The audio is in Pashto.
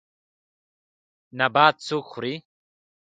نباتات څوک خوري